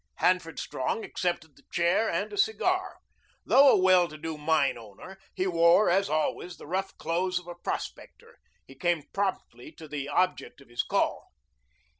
Hanford Strong accepted the chair and a cigar. Though a well to do mine owner, he wore as always the rough clothes of a prospector. He came promptly to the object of his call.